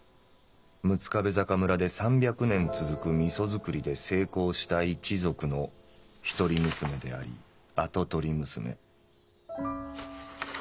六壁坂村で３００年続く味噌づくりで成功した一族のひとり娘であり跡取り娘」。